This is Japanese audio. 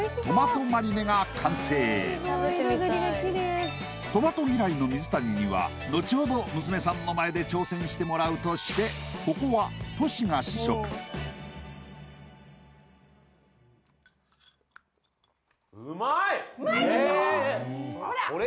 トマト嫌いの水谷には後ほど娘さんの前で挑戦してもらうとしてここはへえほら！